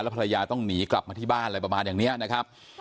ภรรยาต้องหนีกลับมาที่บ้านอะไรประมาณอย่างนี้นะครับ